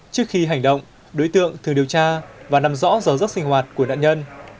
trước khi hành động đối tượng thường điều tra và nằm rõ gió giấc sinh hoạt của nạn nhân